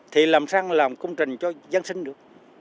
thì làm sao làm công trình cho dân sinh được